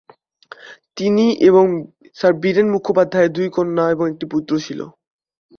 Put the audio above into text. তিনি এবং স্যার বীরেন মুখোপাধ্যায়ের দুই কন্যা এবং একটি পুত্র ছিল।